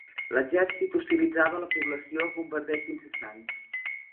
L'exèrcit hostilitzava la població amb bombardeigs incessants.